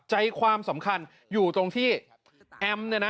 ใจความสำคัญอยู่ตรงที่แอมเนี่ยนะ